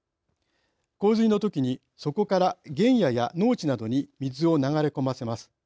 洪水のときにそこから原野や農地などに水を流れ込ませます。